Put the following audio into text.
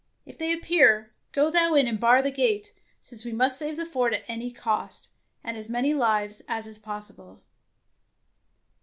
If they appear, go thou in and bar the gate, since we must save the fort at any cost, and as many lives as is possible."